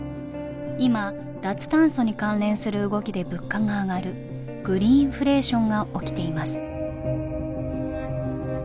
今脱炭素に関連する動きで物価が上がるグリーンフレーションが起きています。